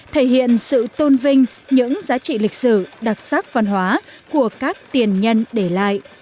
thể hiện sự tôn vinh những giá trị lịch sử đặc sắc văn hóa của các tiền nhân để lại